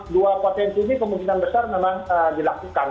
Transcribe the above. dua potensi ini kemungkinan besar memang dilakukan